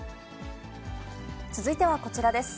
続いてはこちらです。